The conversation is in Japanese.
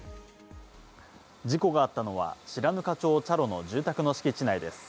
事故があったのは、白糠町茶路の住宅の敷地内です。